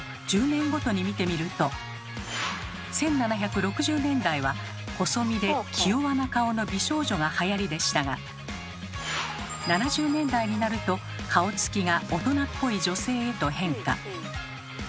１７６０年代は細身で気弱な顔の美少女がはやりでしたが７０年代になると顔つきが大人っぽい女性へと変化。